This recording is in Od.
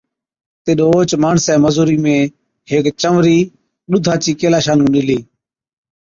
تِڏ اوهچ ماڻسَي مزُورِي ۾ هيڪ چونئرِي ڏُوڌا چِي ڪيلاشا نُون ڏِلِي